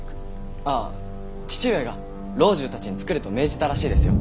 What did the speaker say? あぁ父上が老中たちに作れと命じたらしいですよ。